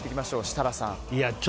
設楽さん。